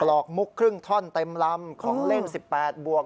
หลอกมุกครึ่งท่อนเต็มลำของเลข๑๘บวก